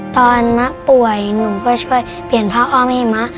มะป่วยหนูก็ช่วยเปลี่ยนผ้าอ้อมให้มะ